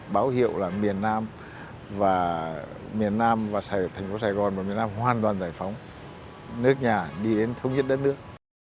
báo hiệu là miền nam và miền nam và sài gòn thành phố sài gòn và miền nam hoàn toàn giải phóng nước nhà đi đến thống nhất đất nước